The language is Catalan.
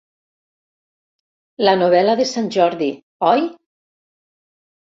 La novel·la de Sant Jordi, oi?